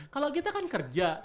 kalau kita kan kerja